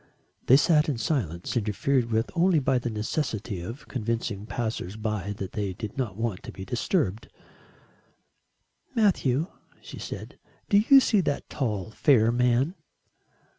They sat in silence, interfered with only by the necessity of convincing passers by that they did not want to be interrupted. "Matthew," she said, "do you see that tall fair man?"